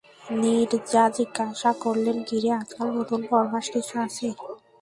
নীরজা জিজ্ঞাসা করলে, কী রে, আজকাল নতুন ফরমাশ কিছু আছে?